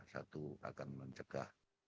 satu akan mencegah